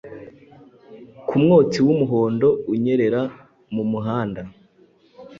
Ku mwotsi wumuhondo unyerera mu muhanda